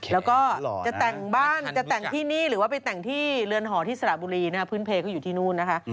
แล้วก็จะแต่งบ้านจะแต่งที่นี่หรือว่าไปแต่งที่เรือนหอที่สระบุรีพื้นเพลก็อยู่ที่นู่นนะคะ